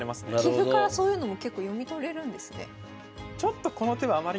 棋譜からそういうのも結構読み取れるんですね。